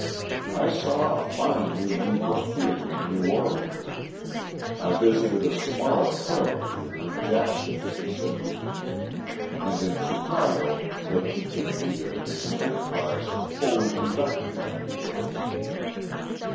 I saw a fine new Negro theatre in New Orleans; I visited a smaller coloured theatre in Jackson, Miss., and in Chicago the Pekin Theatre is an enterprise wholly conducted by Negroes.